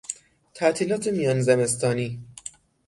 تعطیلات میان زمستانی